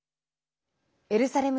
エルサレム